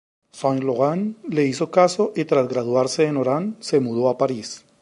Saint Laurent le hizo caso y tras graduarse en Orán se mudó a París.